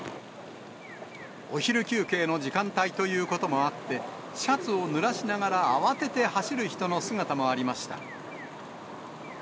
お昼休憩の時間帯ということもあって、シャツをぬらしながら、慌てて走る人の姿もありました。